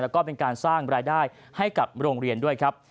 แล้วก็เป็นการสร้างรายได้ให้กับโรงเรียนด้วยครับ